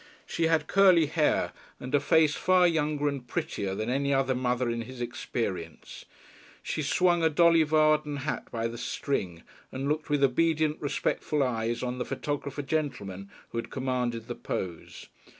She had curly hair and a face far younger and prettier than any other mother in his experience. She swung a Dolly Varden hat by the string, and looked with obedient respectful eyes on the photographer gentleman who had commanded the pose.